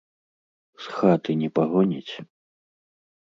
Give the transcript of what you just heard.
З хаты не пагоніць?